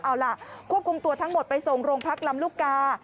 เอาล่ะควบคุมตัวทั้งหมดไปส่งโรงพักลำลูกกา